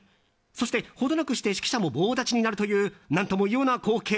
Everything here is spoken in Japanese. そして、程なくして指揮者も棒立ちになるという何とも異様な光景。